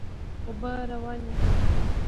اوبه روانې دي.